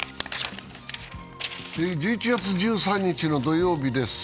１１月１３日土曜日です。